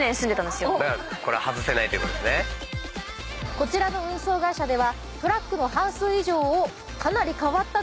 こちらの運送会社では。